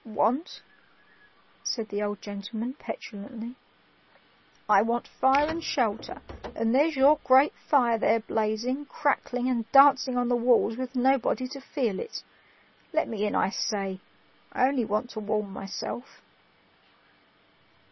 "Want?" said the old gentleman petulantly. "I want fire and shelter, and there's your great fire there blazing, crackling, and dancing on the walls with nobody to feel it. Let me in, I say; I only want to warm myself."